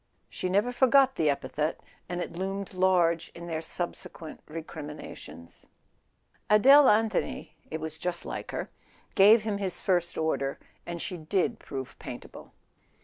She never forgot the epithet, and it loomed large in their subsequent re¬ criminations. Adele Anthony—it was just like her—gave him his first order, and she did prove paintable.